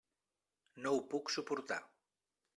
No ho puc suportar.